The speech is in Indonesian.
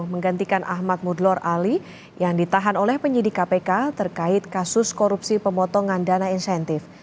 menggantikan ahmad mudlor ali yang ditahan oleh penyidik kpk terkait kasus korupsi pemotongan dana insentif